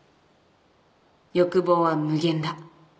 「欲望は無限だ」